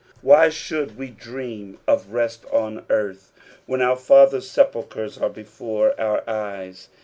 Why should we dream of rest on earth when our fathers' sepulchres are before our eyes